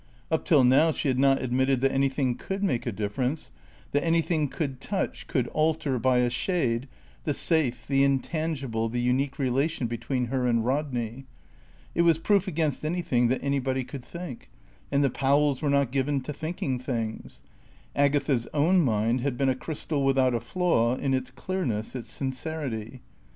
Up till now she had not admitted that anything could make a difference, that anything could touch, could alter by a shade the safe, the intangible, the unique relation between her and Rodney. It was proof against anything that anybody could think. And the Powells were not given to thinking things. Agatha's own mind had been a crystal without a flaw, in its clearness, its sincerity.